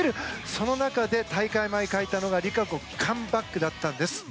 その中で大会前書いたのがＲＩＫＡＣＯＣＯＭＥＢＡＣＫだったんです。